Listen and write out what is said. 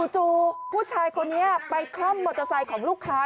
จู่ผู้ชายคนนี้ไปคล่อมมอเตอร์ไซค์ของลูกค้า